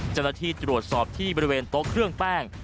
เจ้าหน้าที่ตรวจสอบที่บริเวณโต๊ะเครื่องแป้ง